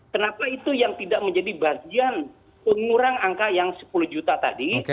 kenapa itu yang tidak menjadi bagian pengurang angka yang sepuluh juta tadi